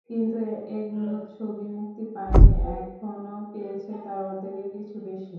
কিন্তু এতগুলো ছবি মুক্তি পায়নি এখনো, পেয়েছে তার অর্ধেকের কিছু বেশি।